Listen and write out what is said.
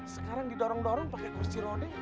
sekarang didorong dorong pakai kursi rode